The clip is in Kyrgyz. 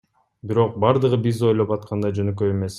Бирок бардыгы биз ойлоп аткандай жөнөкөй эмес.